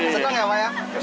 sedang ya pak ya